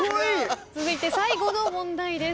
続いて最後の問題です。